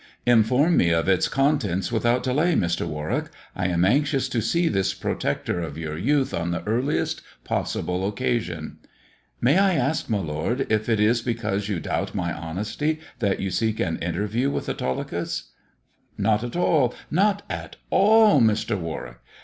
" Inform mo of its contents without delay, Mr. Warwick. I am anxious to see this protector of your youth on the earliest possible occasion." "May I ask, my lord, if it is because you doubt my honesty that you se^k an interview with Autolycus 1 "" Not at all, not at all, Mr. Warwick.